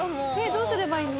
どうすればいいの？